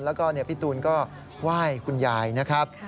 แล้วก็พี่ตูนก็ไหว้คุณยายนะครับ